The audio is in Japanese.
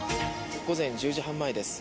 午前１０時半前です。